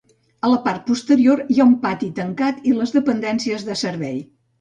A la part posterior hi ha un pati tancat i les dependències de servei.